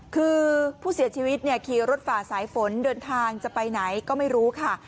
คือผู้เสียชีวิตขี่รถฝ่าสายฝนเดินทางจะไปไหนก็ไม่รู้ค่ะ